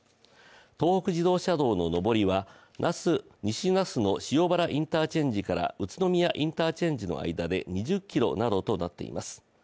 東北自動車道の上りは西那須野塩原インターチェンジから宇都宮インターチェンジの間で２０ｋｍなどとなっています。